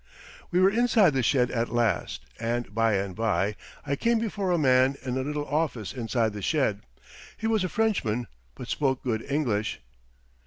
We were inside the shed at last; and by and by I came before a man in a little office inside the shed. He was a Frenchman, but spoke good English.